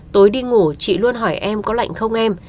tối đi ngủ chị luôn hỏi em có lạnh không em